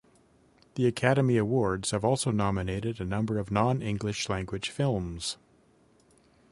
The Academy Awards have also nominated a number of non-English-language films.